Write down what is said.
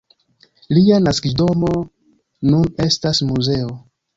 Lia naskiĝdomo nun estas muzeo.